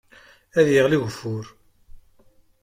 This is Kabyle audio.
Ad yeɣli ugeffur